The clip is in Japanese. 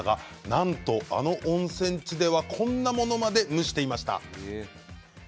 なんとあの温泉地ではこんなものまで蒸していました。